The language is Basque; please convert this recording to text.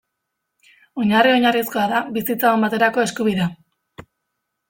Oinarri oinarrizkoa da bizitza on baterako eskubidea.